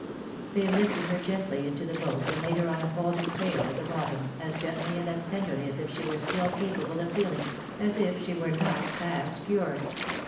They Uf ted her gently into the boat, and laid her on a folded Bail at the bottom, as gently and as tenderly as if she were still capable of feeling, as if she were not past cure.